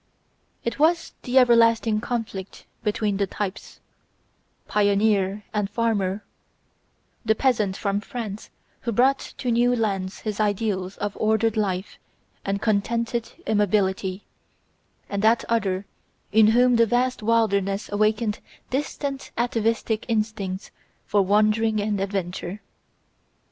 It was the everlasting conflict between the types: pioneer and farmer, the peasant from France who brought to new lands his ideals of ordered life and contented immobility, and that other in whom the vast wilderness awakened distant atavistic instincts for wandering and adventure.